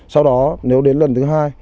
sau đó nếu đến lần thứ hai